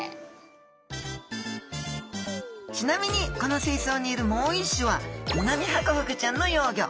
ちなみにこの水槽にいるもう一種はミナミハコフグちゃんの幼魚。